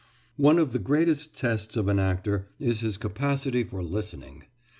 One of the greatest tests of an actor is his capacity for listening.